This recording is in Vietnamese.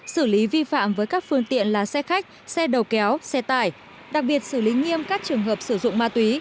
xử lý vi phạm với các phương tiện là xe khách xe đầu kéo xe tải đặc biệt xử lý nghiêm các trường hợp sử dụng ma túy